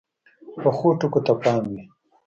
پخو ټکو ته پام وي